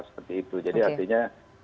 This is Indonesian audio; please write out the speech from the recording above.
seperti itu jadi artinya